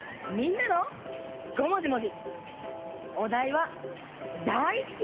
みんなもごもじもじ。